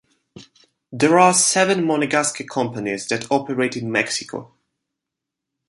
There are seven Monegasque companies that operate in Mexico.